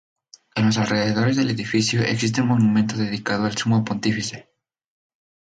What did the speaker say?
En los alrededores del edificio existe un monumento dedicado al sumo pontífice.